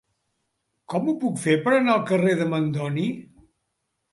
Com ho puc fer per anar al carrer de Mandoni?